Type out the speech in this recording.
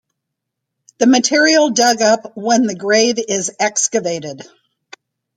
The material dug up when the grave is excavated.